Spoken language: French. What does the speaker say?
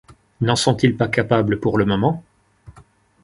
N’en sont-ils pas capables pour le moment ?